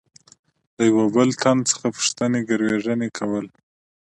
له یوه بل تن څخه پوښتنې ګروېږنې کول.